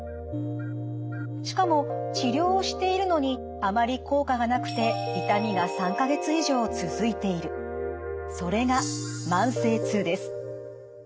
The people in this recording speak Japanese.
しかも治療をしているのにあまり効果がなくてそれが慢性痛です。